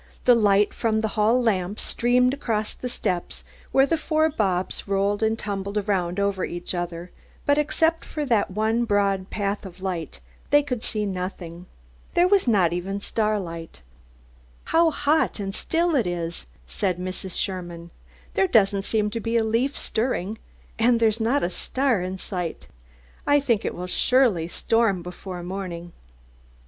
The light from the hall lamp streamed across the steps where the four Bobs rolled and tumbled around over each other, but except for that one broad path of light they could see nothing. There was not even starlight. "How hot and still it is," said Mrs. Sherman. "There doesn't seem to be a leaf stirring, and there's not a star in sight. I think it will surely storm before morning."